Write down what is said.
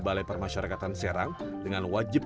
balai permasyarakatan serang dengan wajib